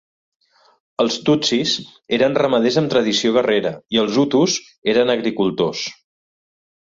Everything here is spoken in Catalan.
Els tutsis eren ramaders amb tradició guerrera i els hutus eren agricultors.